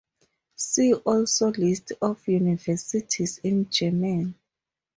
See also List of universities in Germany.